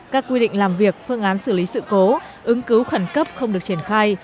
các quy định làm việc phương án xử lý sự cố ứng cứu khẩn cấp không được triển khai